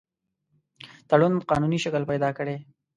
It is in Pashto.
تړون قانوني شکل پیدا کړي.